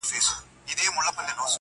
حروف د ساز له سوره ووتل سرکښه سوله,